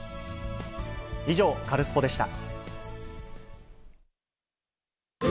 以上、カルスポっ！でした。